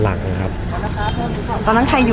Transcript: ภาษาสนิทยาลัยสุดท้าย